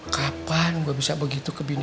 kapan gua bisa begitu ke bini gue